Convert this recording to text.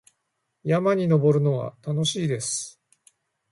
山に登るのは楽しいです。